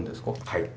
はい。